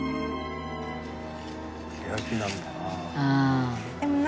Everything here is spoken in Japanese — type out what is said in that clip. けやきなんだな。